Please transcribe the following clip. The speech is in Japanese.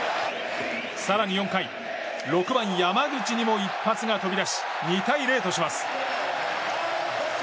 更に４回６番、山口にも一発が飛び出し２対０とします。